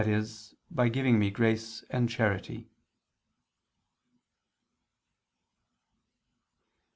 e. by giving me grace and charity.